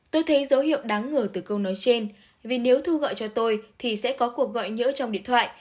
tôi thấy dấu hiệu đáng ngờ từ câu nói trên vì nếu thu gọi cho tôi thì sẽ có cuộc gọi nhỡ trong điện thoại